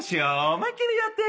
思いっ切りやっていこう。